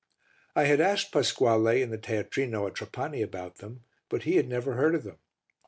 I had asked Pasquale in the teatrino at Trapani about them, but he had never heard of them.